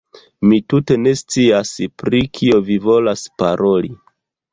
Mi tute ne scias, pri kio vi volas paroli.